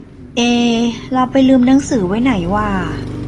เอ เราไปลืมหนังสือไว้ไหนหว่า